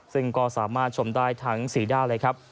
ซึ่งก็สามารถชมได้ทั้ง๔ด้านเลยครับ